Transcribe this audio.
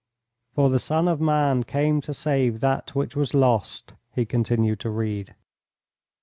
"For the Son of Man came to save that which was lost," he continued to read.